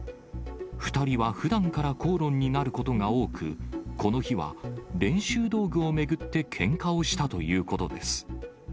２人は普段から口論になることが多く、この日は、練習道具を巡ってけんかをしたということです。